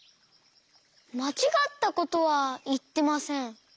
まちがったことはいってません。